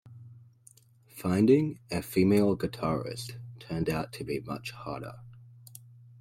Finding a female guitarist turned out to be much harder.